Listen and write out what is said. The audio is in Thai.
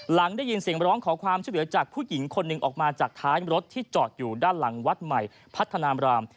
หลังได้ยินเสียงร้องขอความช่วยเหลือจากผู้หญิงคนหนึ่งออกมาจากท้ายรถที่จอดอยู่ด้านหลังวัดใหม่พัฒนา